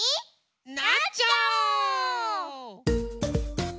なっちゃおう！